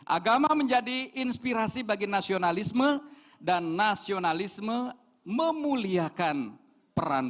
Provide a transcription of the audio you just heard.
agama menjadi inspirasi bagi nasionalisme dan nasionalisme memuliakan peran